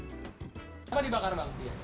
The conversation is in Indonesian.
apa dibakar bang